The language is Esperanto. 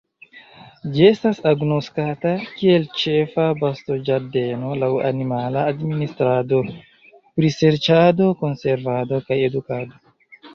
Ĝi estas agnoskata kiel ĉefa bestoĝardeno laŭ animala administrado, priserĉado, konservado, kaj edukado.